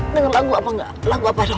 denger lagu apa gak